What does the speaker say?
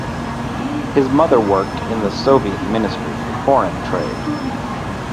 His mother worked in the Soviet Ministry for Foreign Trade.